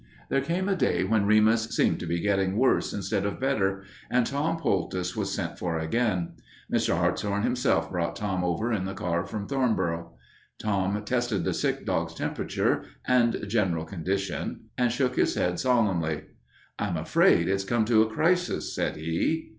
There came a day when Remus seemed to be getting worse instead of better, and Tom Poultice was sent for again. Mr. Hartshorn himself brought Tom over in the car from Thornboro. Tom tested the sick dog's temperature and general condition and shook his head solemnly. "I'm afraid it's come to a crisis," said he.